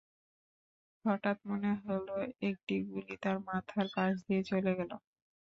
হঠাৎ মনে হলো একটি গুলি তাঁর মাথার পাশ দিয়ে চলে গেল।